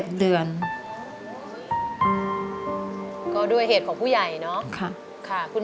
ทั้งในเรื่องของการทำงานเคยทำนานแล้วเกิดปัญหาน้อย